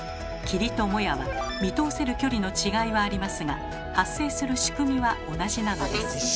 「霧」と「もや」は見通せる距離の違いはありますが発生する仕組みは同じなのです。